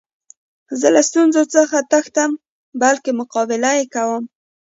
زه له ستونزو څخه تښتم؛ بلکي مقابله ئې کوم.